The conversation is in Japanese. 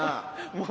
もう。